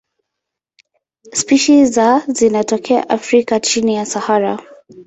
Spishi za zinatokea Afrika chini ya Sahara.